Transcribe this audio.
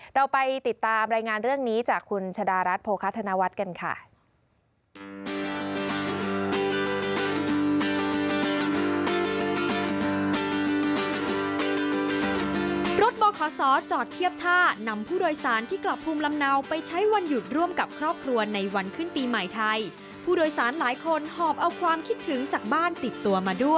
เราไปติดตามรายงานเรื่องนี้จากคุณชะดารัฐโภคาธนวัฒน์กันค่ะ